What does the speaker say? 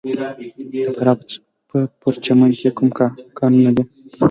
د فراه په پرچمن کې کوم کانونه دي؟